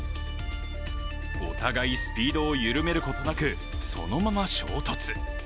お互いスピードを緩めることなくそのまま衝突。